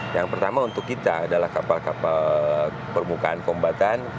yang pertama untuk kita adalah kapal kapal permukaan kombatan